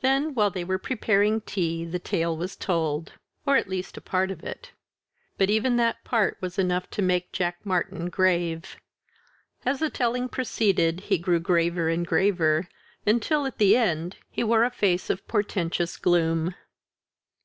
Then, while they were preparing tea, the tale was told, or at least a part of it. But even that part was enough to make Jack Martyn grave. As the telling proceeded, he grew graver and graver, until, at the end, he wore a face of portentous gloom.